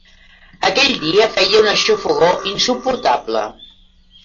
Aquell dia feia una xafogor insuportable.